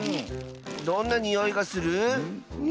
どんなにおいがする？